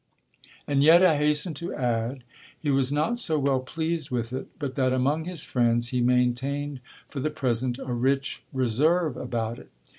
And yet, I hasten to add, he was not so well pleased with it but that among his friends he maintained for the present a rich reserve about it.